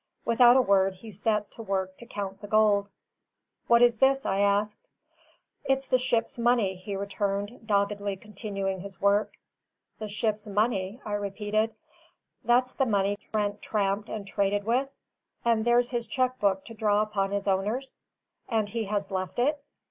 Without a word, he set to work to count the gold. "What is this?" I asked. "It's the ship's money," he returned, doggedly continuing his work. "The ship's money?" I repeated. "That's the money Trent tramped and traded with? And there's his cheque book to draw upon his owners? And he has left it?"